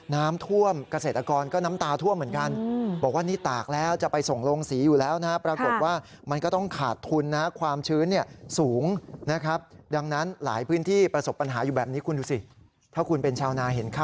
น้ำท่วมเกษตรกรก็น้ำตาท่วมเหมือนกัน